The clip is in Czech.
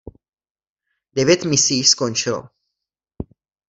Devět misí již skončilo.